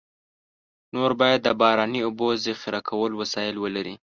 نور باید د باراني اوبو ذخیره کولو وسایل ولري.